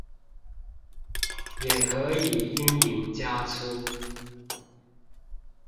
也可以陰影加粗